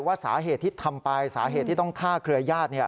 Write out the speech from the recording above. ว่าสาเหตุที่ทำไปสาเหตุที่ต้องฆ่าเครือญาติ